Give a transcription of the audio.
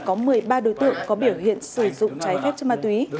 có một mươi ba đối tượng có biểu hiện sử dụng trái phép chất ma túy